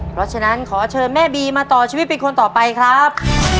เพราะฉะนั้นขอเชิญแม่บีมาต่อชีวิตเป็นคนต่อไปครับ